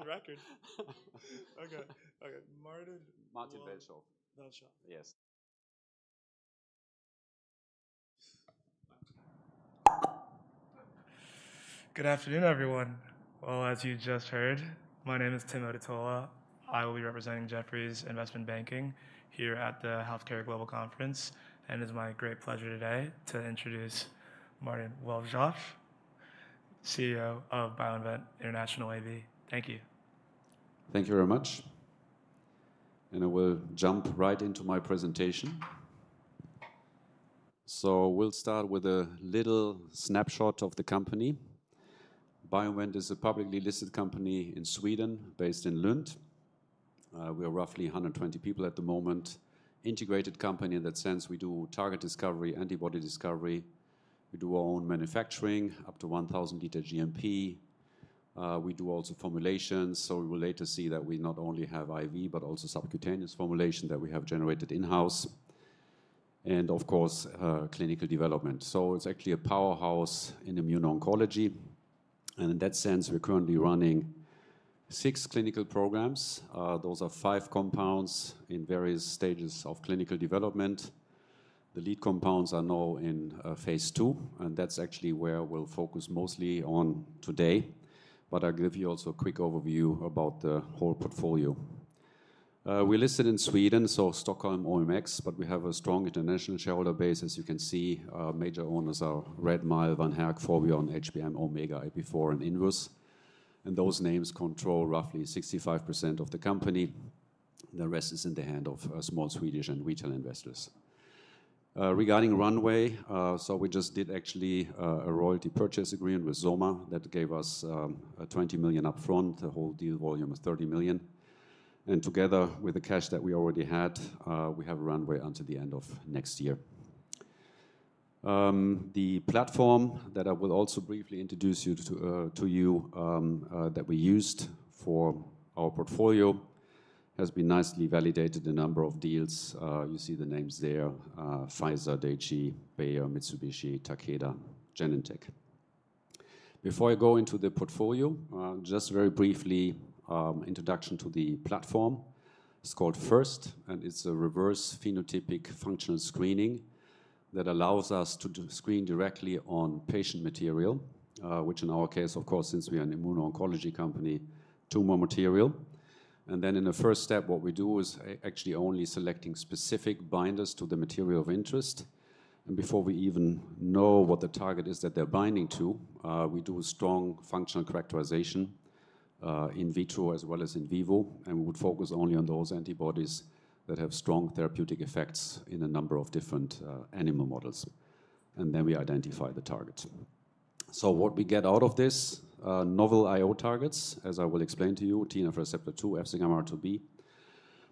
On record. Okay, okay. Martin. Martin Welschof. Welschof. Yes. Good afternoon, everyone. As you just heard, my name is Tim Otitola. I will be representing Jefferies Investment Banking here at the Healthcare Global Conference, and it is my great pleasure today to introduce Martin Welschof, CEO of BioInvent International AB. Thank you. Thank you very much. I will jump right into my presentation. We'll start with a little snapshot of the company. BioInvent is a publicly listed company in Sweden based in Lund. We are roughly 120 people at the moment, an integrated company in that sense. We do target discovery, antibody discovery. We do our own manufacturing up to 1,000 liter GMP. We do also formulations. We will later see that we not only have IV, but also subcutaneous formulation that we have generated in-house. Of course, clinical development. It's actually a powerhouse in immuno-oncology. In that sense, we're currently running six clinical programs. Those are five compounds in various stages of clinical development. The lead compounds are now in phase two, and that's actually where we'll focus mostly on today. I'll give you also a quick overview about the whole portfolio. We're listed in Sweden, Stockholm OMX, but we have a strong international shareholder base. As you can see, major owners are Redmile, Van Herk, Forbjorn, HBM, Omega, AB4, and Invesco. Those names control roughly 65% of the company. The rest is in the hand of small Swedish and retail investors. Regarding runway, we just did actually a royalty purchase agreement with Zoma that gave us $20 million upfront, the whole deal volume of $30 million. Together with the cash that we already had, we have a runway until the end of next year. The platform that I will also briefly introduce to you that we used for our portfolio has been nicely validated in a number of deals. You see the names there: Pfizer, Daiichi, Bayer, Mitsubishi, Takeda, Genentech. Before I go into the portfolio, just very briefly, introduction to the platform. It's called FIRST, and it's a reverse phenotypic functional screening that allows us to screen directly on patient material, which in our case, of course, since we are an immuno-oncology company, tumor material. In the first step, what we do is actually only selecting specific binders to the material of interest. Before we even know what the target is that they're binding to, we do strong functional characterization in vitro as well as in vivo. We would focus only on those antibodies that have strong therapeutic effects in a number of different animal models. Then we identify the target. What we get out of this: novel IO targets, as I will explain to you, TNFR2, FcγR2B,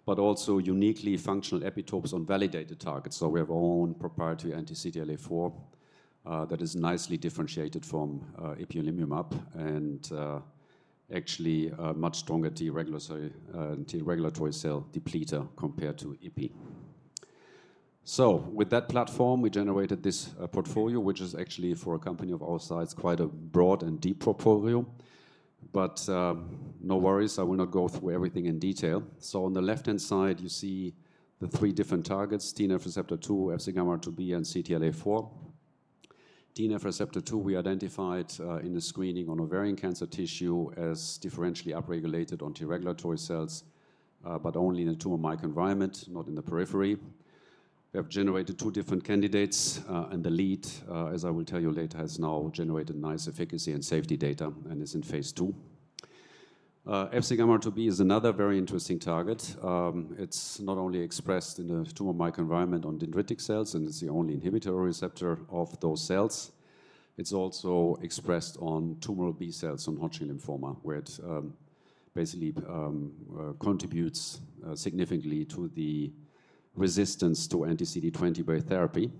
but also uniquely functional epitopes on validated targets. We have our own proprietary anti-CTLA4 that is nicely differentiated from ipilimumab and actually a much stronger T regulatory cell depleter compared to IP. With that platform, we generated this portfolio, which is actually for a company of our size, quite a broad and deep portfolio. No worries, I will not go through everything in detail. On the left-hand side, you see the three different targets: TNFR2, FcγR2B, and CTLA4. TNFR2 we identified in the screening on ovarian cancer tissue as differentially upregulated on T regulatory cells, but only in the tumor microenvironment, not in the periphery. We have generated two different candidates, and the lead, as I will tell you later, has now generated nice efficacy and safety data and is in phase two. FcγR2B is another very interesting target. It's not only expressed in the tumor microenvironment on dendritic cells, and it's the only inhibitor receptor of those cells. It's also expressed on tumor B-cells on Hodgkin lymphoma, where it basically contributes significantly to the resistance to anti-CD20-based therapy.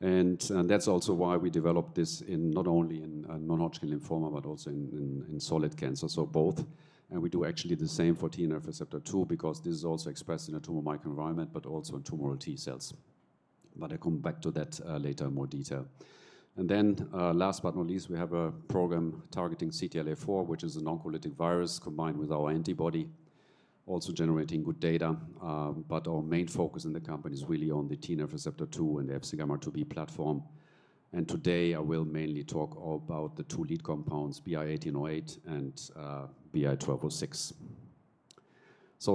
That's also why we developed this not only in non-Hodgkin lymphoma, but also in solid cancer. Both. We do actually the same for TNFR2 because this is also expressed in a tumor microenvironment, but also in tumoral T-cells. I'll come back to that later in more detail. Last but not least, we have a program targeting CTLA4, which is an oncolytic virus combined with our antibody, also generating good data. Our main focus in the company is really on the TNFR2 and the FcγR2B platform. Today I will mainly talk about the two lead compounds, BI-1808 and BI-1206.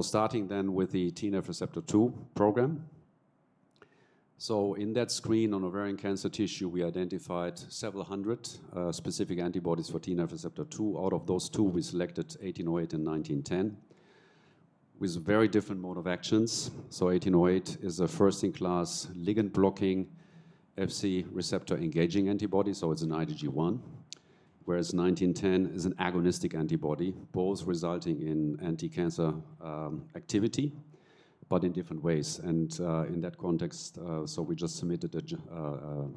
Starting then with the TNF receptor II program. In that screen on ovarian cancer tissue, we identified several hundred specific antibodies for TNF receptor II. Out of those, we selected BL-1808 and 1910 with very different mode of actions. BL-1808 is a first-in-class ligand-blocking Fc receptor engaging antibody. It is an IgG1, whereas BL-1910 is an agonistic antibody, both resulting in anti-cancer activity, but in different ways. In that context, we just submitted a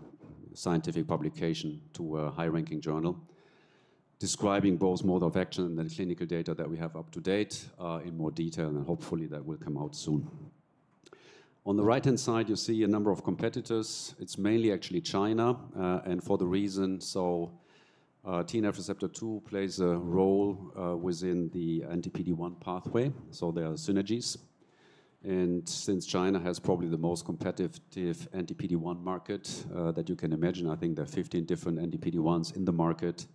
scientific publication to a high-ranking journal describing both mode of action and the clinical data that we have up to date in more detail. Hopefully that will come out soon. On the right-hand side, you see a number of competitors. It is mainly actually China. For the reason, TNF receptor II plays a role within the anti-PD1 pathway. There are synergies. Since China has probably the most competitive anti-PD1 market that you can imagine, I think there are 15 different anti-PD1s in the market.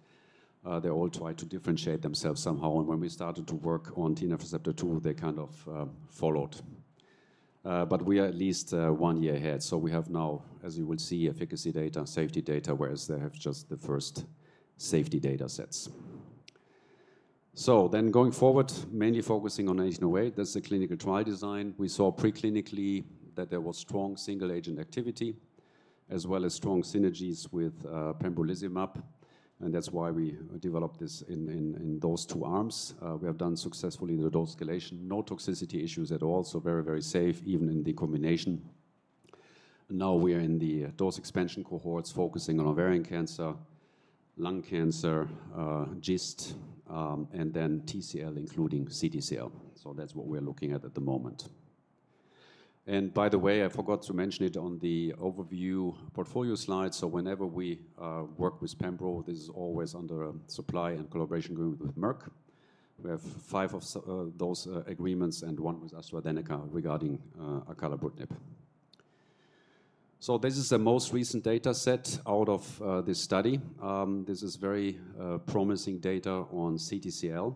They all try to differentiate themselves somehow. When we started to work on TNF receptor II, they kind of followed. We are at least one year ahead. We have now, as you will see, efficacy data, safety data, whereas they have just the first safety data sets. Going forward, mainly focusing on BL-1808, that is the clinical trial design. We saw pre-clinically that there was strong single-agent activity as well as strong synergies with pembrolizumab. That is why we developed this in those two arms. We have done successfully the dose escalation. No toxicity issues at all. Very, very safe even in the combination. Now we are in the dose expansion cohorts focusing on ovarian cancer, lung cancer, GIST, and then TCL, including CTCL. That is what we are looking at at the moment. By the way, I forgot to mention it on the overview portfolio slide. Whenever we work with Pembro, this is always under supply and collaboration agreement with Merck. We have five of those agreements and one with AstraZeneca regarding acalabrutinib. This is the most recent data set out of this study. This is very promising data on CTCL.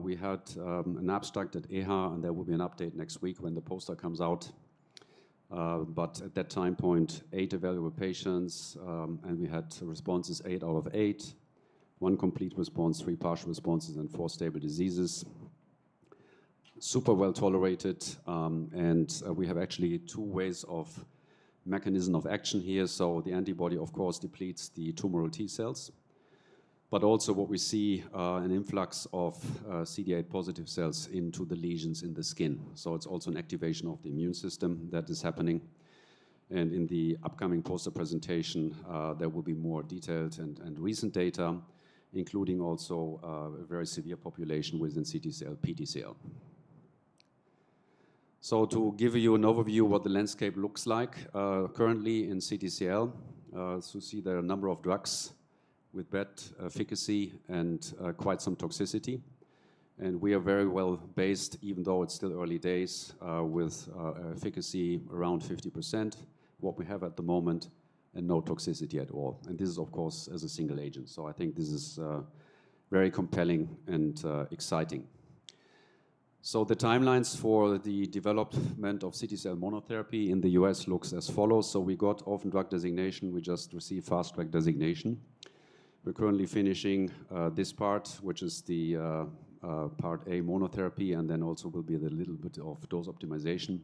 We had an abstract at EHA, and there will be an update next week when the poster comes out. At that time point, eight available patients, and we had responses eight out of eight, one complete response, three partial responses, and four stable diseases. Super well tolerated. We have actually two ways of mechanism of action here. The antibody, of course, depletes the tumoral T-cells, but also what we see is an influx of CD8 positive cells into the lesions in the skin. It is also an activation of the immune system that is happening. In the upcoming poster presentation, there will be more detailed and recent data, including also a very severe population within CTCL, PTCL. To give you an overview of what the landscape looks like currently in CTCL, you see there are a number of drugs with bad efficacy and quite some toxicity. We are very well based, even though it is still early days, with efficacy around 50% at the moment, and no toxicity at all. This is, of course, as a single agent. I think this is very compelling and exciting. The timelines for the development of CTCL monotherapy in the U.S. looks as follows. We got orphan drug designation. We just received fast track designation. We're currently finishing this part, which is the part A monotherapy, and then also will be a little bit of dose optimization.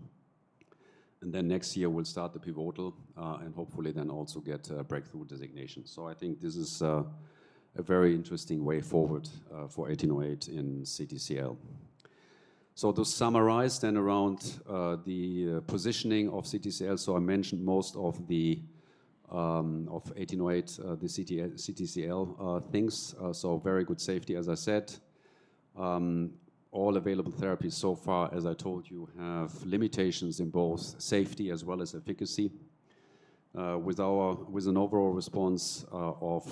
Next year, we'll start the pivotal and hopefully then also get a breakthrough designation. I think this is a very interesting way forward for BL-1808 in CTCL. To summarize then around the positioning of CTCL, I mentioned most of the BL-1808, the CTCL things. Very good safety, as I said. All available therapies so far, as I told you, have limitations in both safety as well as efficacy. With an overall response of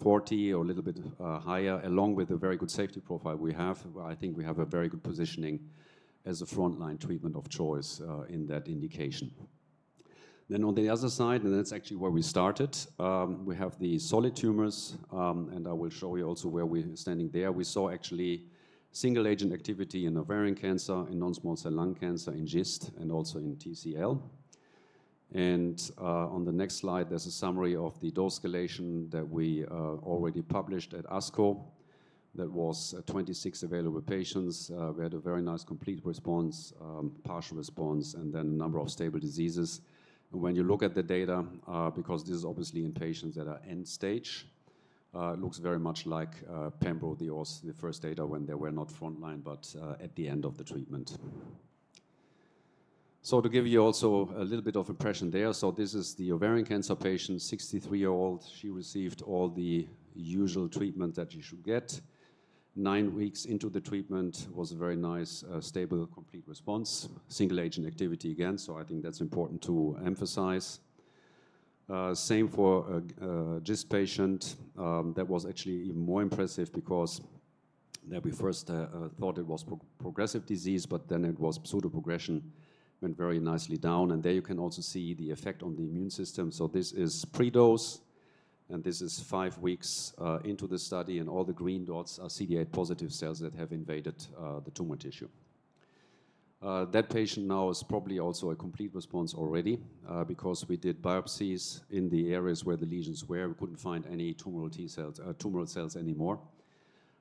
40% or a little bit higher, along with a very good safety profile we have, I think we have a very good positioning as a frontline treatment of choice in that indication. On the other side, and that's actually where we started, we have the solid tumors, and I will show you also where we're standing there. We saw actually single-agent activity in ovarian cancer, in non-small cell lung cancer, in GIST, and also in TCL. On the next slide, there's a summary of the dose escalation that we already published at ASCO. That was 26 available patients. We had a very nice complete response, partial response, and then a number of stable diseases. When you look at the data, because this is obviously in patients that are end stage, it looks very much like Pembro, the first data when they were not frontline, but at the end of the treatment. To give you also a little bit of impression there, this is the ovarian cancer patient, 63-year-old. She received all the usual treatment that she should get. Nine weeks into the treatment was a very nice, stable, complete response, single-agent activity again. I think that is important to emphasize. Same for GIST patient. That was actually even more impressive because that we first thought it was progressive disease, but then it was pseudo-progression, went very nicely down. There you can also see the effect on the immune system. This is pre-dose, and this is five weeks into the study, and all the green dots are CD8 positive cells that have invaded the tumor tissue. That patient now is probably also a complete response already because we did biopsies in the areas where the lesions were. We could not find any tumoral cells anymore,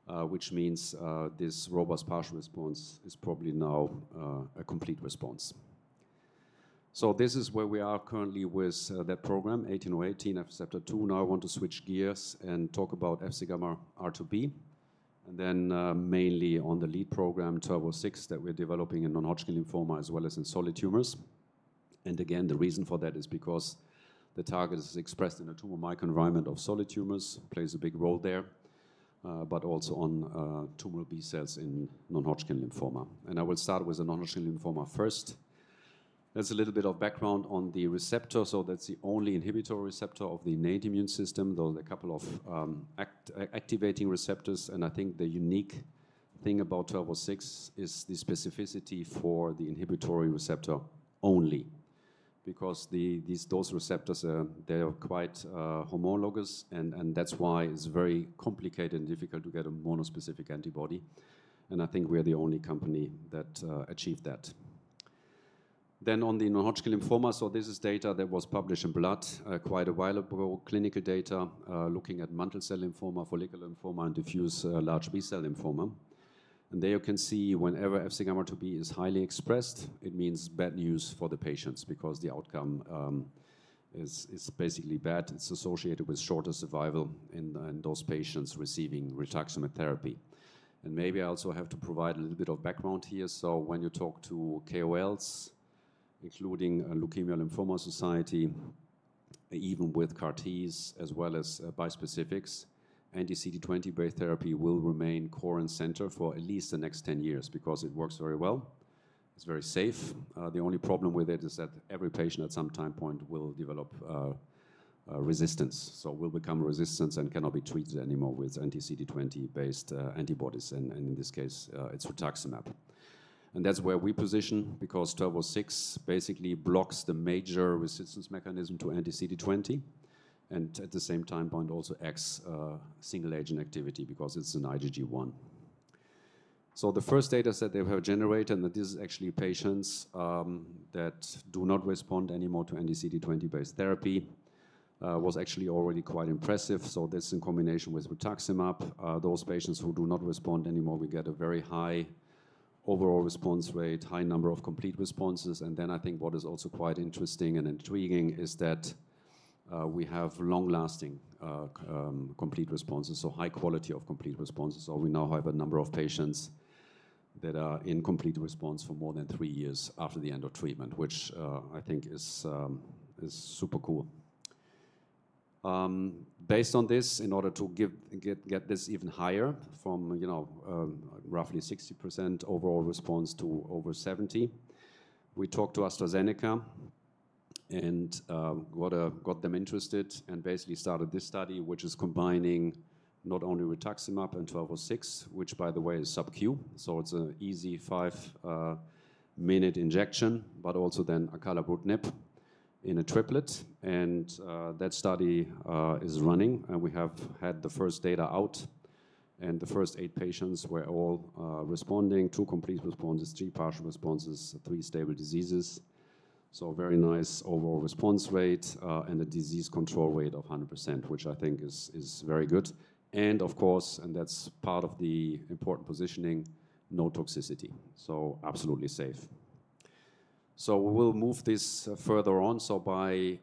which means this robust partial response is probably now a complete response. This is where we are currently with that program, BL-1808, TNF receptor II. Now I want to switch gears and talk about FcγR2B and then mainly on the lead program, BI-1206, that we are developing in non-Hodgkin lymphoma as well as in solid tumors. Again, the reason for that is because the target is expressed in a tumor microenvironment of solid tumors, plays a big role there, but also on tumoral B-cells in non-Hodgkin lymphoma. I will start with the non-Hodgkin lymphoma first. There's a little bit of background on the receptor. That's the only inhibitory receptor of the innate immune system, though there are a couple of activating receptors. I think the unique thing about BI-1206 is the specificity for the inhibitory receptor only because these dose receptors, they are quite homologous, and that's why it's very complicated and difficult to get a monospecific antibody. I think we are the only company that achieved that. On the non-Hodgkin lymphoma, this is data that was published in Blood quite a while ago, clinical data looking at mantle cell lymphoma, follicular lymphoma, and diffuse large B cell lymphoma. There you can see whenever FcγR2B is highly expressed, it means bad news for the patients because the outcome is basically bad. It's associated with shorter survival in those patients receiving rituximab therapy. I also have to provide a little bit of background here. When you talk to KOLs, including Leukemia & Lymphoma Society, even with CAR-Ts as well as bispecifics, anti-CD20-based therapy will remain core and center for at least the next 10 years because it works very well. It's very safe. The only problem with it is that every patient at some time point will develop resistance. Will become resistant and cannot be treated anymore with anti-CD20-based antibodies. In this case, it's rituximab. That's where we position because BI-1206 basically blocks the major resistance mechanism to anti-CD20 and at the same time point also acts single-agent activity because it's an IgG1. The first data set they have generated, and this is actually patients that do not respond anymore to anti-CD20-based therapy, was actually already quite impressive. This in combination with rituximab, those patients who do not respond anymore, we get a very high overall response rate, high number of complete responses. I think what is also quite interesting and intriguing is that we have long-lasting complete responses, so high quality of complete responses. We now have a number of patients that are in complete response for more than three years after the end of treatment, which I think is super cool. Based on this, in order to get this even higher from roughly 60% overall response to over 70%, we talked to AstraZeneca and got them interested and basically started this study, which is combining not only rituximab and BI-1206, which by the way is sub-Q. It is an easy five-minute injection, but also then acalabrutinib in a triplet. That study is running. We have had the first data out, and the first eight patients were all responding, two complete responses, three partial responses, three stable diseases. Very nice overall response rate and a disease control rate of 100%, which I think is very good. Of course, and that is part of the important positioning, no toxicity. Absolutely safe. We will move this further on. By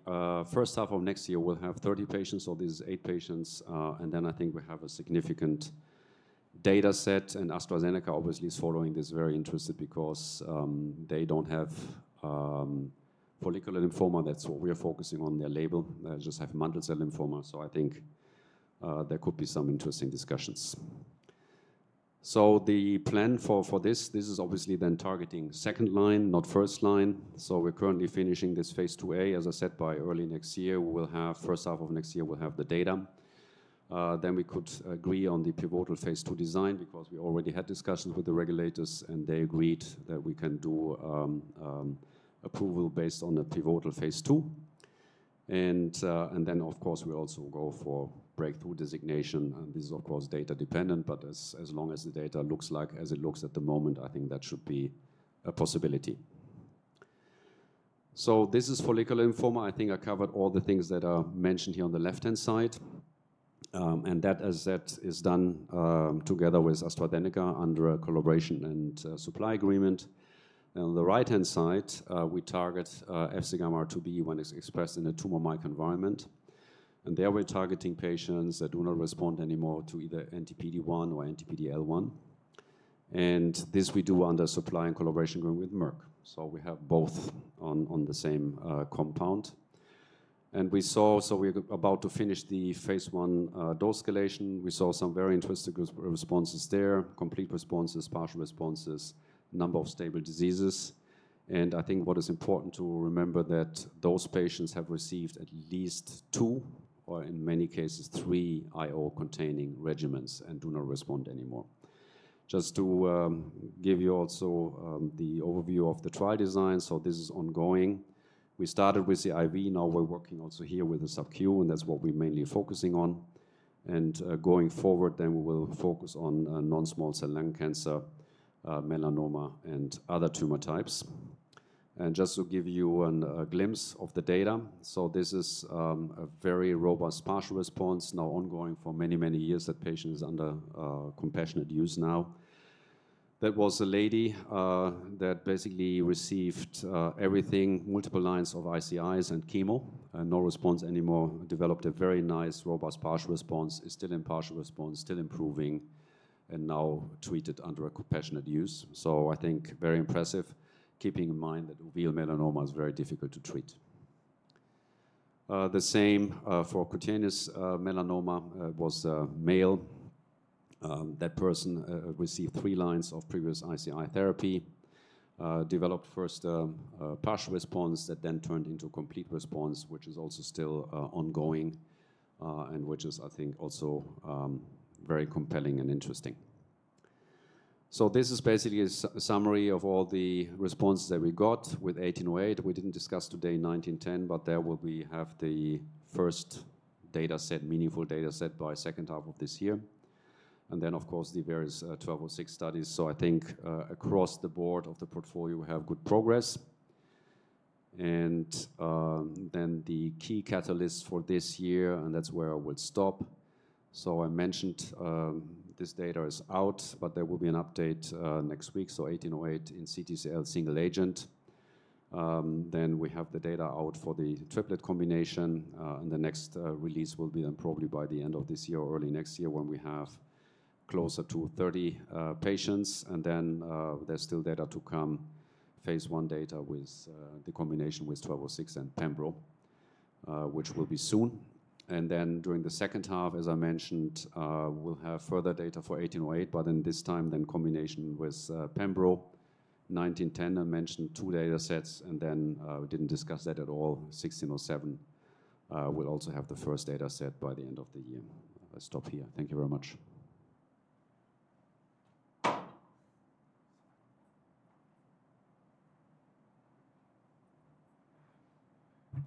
first half of next year, we will have 30 patients. This is eight patients. I think we have a significant data set. AstraZeneca obviously is following this very interested because they do not have follicular lymphoma. That is what we are focusing on their label. They just have mantle cell lymphoma. I think there could be some interesting discussions. The plan for this is obviously then targeting second line, not first line. We're currently finishing this phase 2A. As I said, by early next year, we will have, first half of next year, we'll have the data. We could agree on the pivotal phase 2 design because we already had discussions with the regulators, and they agreed that we can do approval based on the pivotal phase 2. Of course, we also go for breakthrough designation. This is, of course, data dependent, but as long as the data looks like as it looks at the moment, I think that should be a possibility. This is follicular lymphoma. I think I covered all the things that are mentioned here on the left-hand side. That, as said, is done together with AstraZeneca under a collaboration and supply agreement. On the right-hand side, we target FcγR2B when it's expressed in a tumor microenvironment. There we're targeting patients that do not respond anymore to either anti-PD1 or anti-PDL1. This we do under supply and collaboration agreement with Merck. We have both on the same compound. We're about to finish the phase one dose escalation. We saw some very interesting responses there, complete responses, partial responses, number of stable diseases. I think what is important to remember is that those patients have received at least two or in many cases three IO-containing regimens and do not respond anymore. Just to give you also the overview of the trial design, this is ongoing. We started with the IV. Now we're working also here with the sub-Q, and that's what we're mainly focusing on. Going forward, we will focus on non-small cell lung cancer, melanoma, and other tumor types. Just to give you a glimpse of the data, this is a very robust partial response, now ongoing for many, many years. That patient is under compassionate use now. That was a lady that basically received everything, multiple lines of ICIs and chemo, no response anymore, developed a very nice robust partial response, is still in partial response, still improving, and now treated under compassionate use. I think very impressive, keeping in mind that oval melanoma is very difficult to treat. The same for cutaneous melanoma, it was male. That person received three lines of previous ICI therapy, developed first partial response that then turned into complete response, which is also still ongoing and which is, I think, also very compelling and interesting. This is basically a summary of all the responses that we got with BL-1808. We did not discuss today BL-1910, but there will be the first data set, meaningful data set by the second half of this year. Of course, the various BI-1206 studies. I think across the board of the portfolio, we have good progress. The key catalysts for this year, and that is where I will stop. I mentioned this data is out, but there will be an update next week. BL-1808 in CTCL single agent. We have the data out for the triplet combination. The next release will be then probably by the end of this year or early next year when we have closer to 30 patients. There is still data to come, phase one data with the combination with BI-1206 and Pembro, which will be soon. During the second half, as I mentioned, we'll have further data for BL-1808, but then this time in combination with Pembro, Bl-1910. I mentioned two data sets, and then we didn't discuss that at all, BL-1607. We'll also have the first data set by the end of the year. I'll stop here. Thank you very much.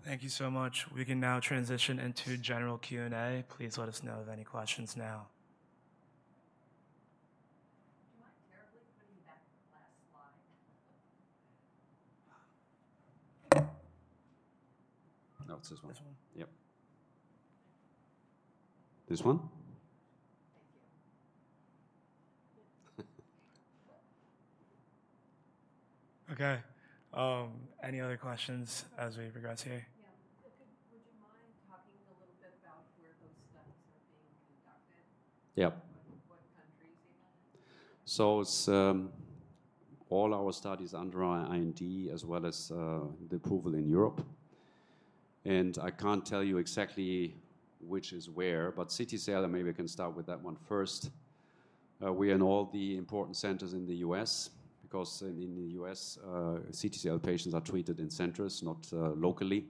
Thank you so much. We can now transition into general Q&A. Please let us know of any questions now. Do you mind terribly putting back the glass slide? No, it's this one. This one? Yep. This one? Thank you. Okay. Any other questions as we progress here? Yeah. Would you mind talking a little bit about where those studies are being conducted? Yeah. What countries are you looking at? It's all our studies under IND as well as the approval in Europe. I can't tell you exactly which is where, but CTCL, and maybe I can start with that one first. We are in all the important centers in the U.S. because in the U.S., CTCL patients are treated in centers, not locally.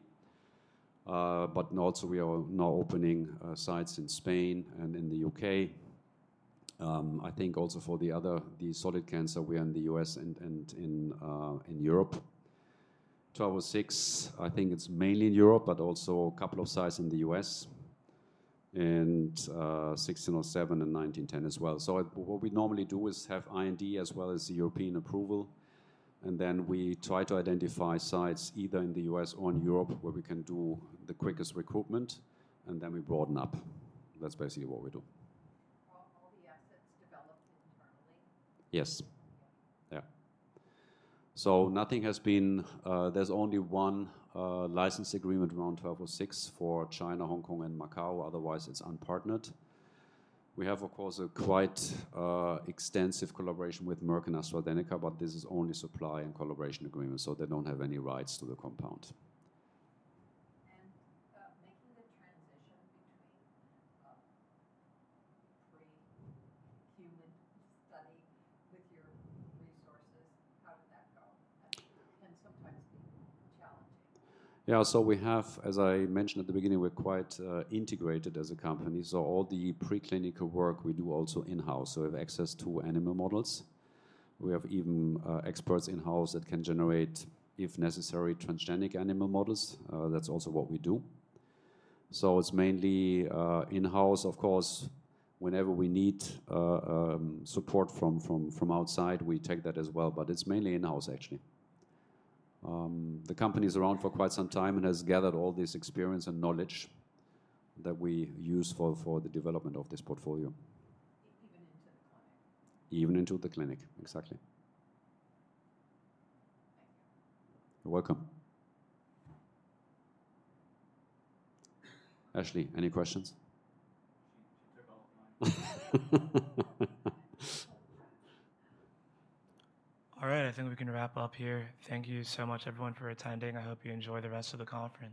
Also, we are now opening sites in Spain and in the U.K. I think also for the other solid cancer, we are in the US and in Europe. BI-1206, I think it's mainly in Europe, but also a couple of sites in the U.S., and BL-1607 and BL-1910 as well. What we normally do is have IND as well as the European approval. Then we try to identify sites either in the U.S. or in Europe where we can do the quickest recruitment, and then we broaden up. That's basically what we do. Are all the assets developed internally? Yes. Yeah. Yeah. So nothing has been, there's only one license agreement around BI-1206 for China, Hong Kong, and Macau. Otherwise, it's unpartnered. We have, of course, a quite extensive collaboration with Merck and AstraZeneca, but this is only supply and collaboration agreement. They don't have any rights to the compound. Making the transition between pre-human study with your resources, how did that go? Sometimes being challenging. Yeah. We have, as I mentioned at the beginning, we're quite integrated as a company. All the preclinical work we do also in-house. We have access to animal models. We have even experts in-house that can generate, if necessary, transgenic animal models. That's also what we do. It's mainly in-house. Of course, whenever we need support from outside, we take that as well. It's mainly in-house, actually. The company is around for quite some time and has gathered all this experience and knowledge that we use for the development of this portfolio. Even into the clinic. Even into the clinic. Exactly. Thank you. You're welcome. Ashley, any questions? She took all of mine. All right. I think we can wrap up here. Thank you so much, everyone, for attending. I hope you enjoy the rest of the conference.